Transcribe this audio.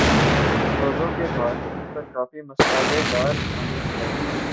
روزوں کے بعد عید پر کافی مصالحہ دار کھانے کھائے۔